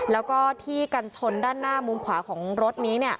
แล้วก็ที่กันชนด้านหน้ามุมขวาของรถนี้